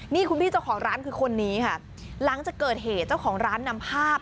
นี่คุณพี่เจ้าของร้านคือคนนี้ค่ะหลังจากเกิดเหตุเจ้าของร้านนำภาพ